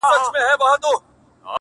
زه خو پر ځان خپله سایه ستایمه-